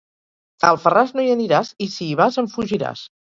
A Alfarràs no hi aniràs, i si hi vas, en fugiràs.